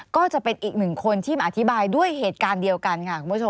ก็จะเป็นอีกหนึ่งคนที่มาอธิบายด้วยเหตุการณ์เดียวกันค่ะคุณผู้ชม